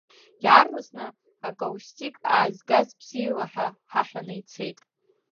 Иаарласны акаустик аазгаз бзиала ҳәа ҳаҳәаны ицеит.